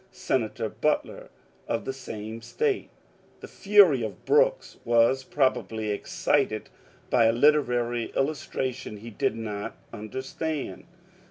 Senator Butler, of the same State. The fury of Brooks was probably excited by a literary illustration he did not understand.